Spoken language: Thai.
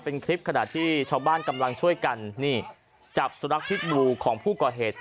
เป็นคลิปขณะที่ชาวบ้านกำลังช่วยกันนี่จับสุนัขพิษบูของผู้ก่อเหตุ